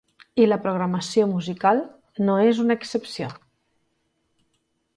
I la programació musical no és una excepció.